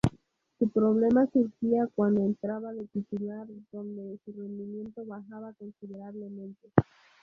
Su problema surgía cuando entraba de titular, donde su rendimiento bajaba considerablemente.